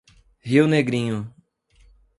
Rio Negrinho